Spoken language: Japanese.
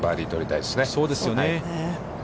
そうですよね。